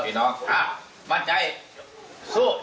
เตรียมป้องกันแชมป์ที่ไทยรัฐไฟล์นี้โดยเฉพาะ